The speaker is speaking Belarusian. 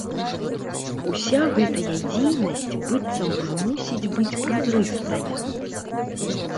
Уся гэтая дзейнасць быццам бы мусіць быць празрыстая.